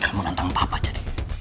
kamu nantang papa jadi